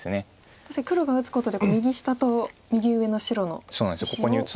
確かに黒が打つことで右下と右上の白の石を分断できると。